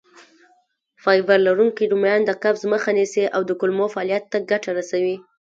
فایبر لرونکي رومیان د قبض مخه نیسي او د کولمو فعالیت ته ګټه رسوي.